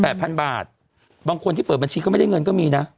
พันบาทบางคนที่เปิดบัญชีก็ไม่ได้เงินก็มีนะ